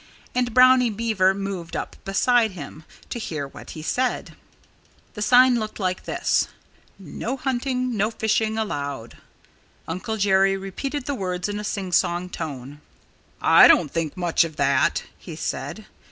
And Brownie Beaver moved up beside him, to hear what he said. The sign looked like this: NO HUNTING OR FISHING ALOUD Uncle Jerry repeated the words in a sing song tone. "I don't think much of that," he said.